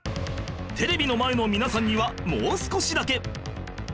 テレビの前の皆さんにはもう少しだけ